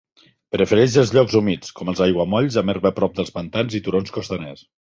Prefereix els llocs humits, com els aiguamolls amb herba prop dels pantans i turons costaners.